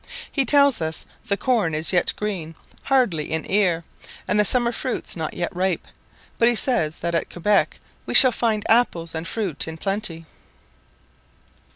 He tells us the corn is yet green, hardly in ear, and the summer fruits not yet ripe, but he says, that at Quebec we shall find apples and fruit in plenty.